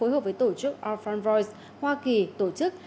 hợp với tổ chức alphan voice hoa kỳ tổ chức